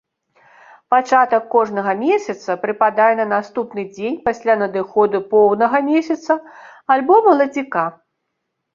Пачатак кожнага месяца прыпадае на наступны дзень пасля надыходу поўнага месяца альбо маладзіка.